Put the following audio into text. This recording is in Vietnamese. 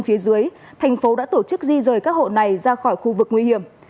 phía dưới thành phố đã tổ chức di rời các hộ này ra khỏi khu vực nguy hiểm